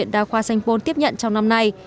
đa khoa sanh pôn tiếp nhận trong năm nay